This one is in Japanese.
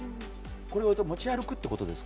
これを持ち歩くということですか？